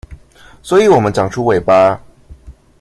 所以我們長出尾巴